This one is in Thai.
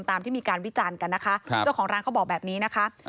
ตามที่มีการวิจารณ์กันนะคะเจ้าของร้านเขาบอกแบบนี้นะคะ